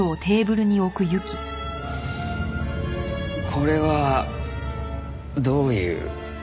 これはどういう？